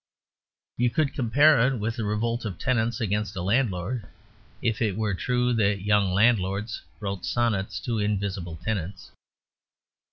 You could compare it with the revolt of tenants against a landlord if it were true that young landlords wrote sonnets to invisible tenants.